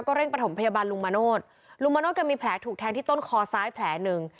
เร่งประถมพยาบาลลุงมโนธลุงมโนธแกมีแผลถูกแทงที่ต้นคอซ้ายแผลหนึ่ง